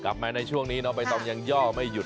กลับมาในช่วงนี้ประตอบยังย่อไม่หยุด